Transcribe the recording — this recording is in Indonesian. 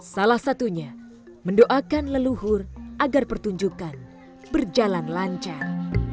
salah satunya mendoakan leluhur agar pertunjukan berjalan lancar